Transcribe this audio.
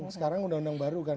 sekarang undang undang baru kan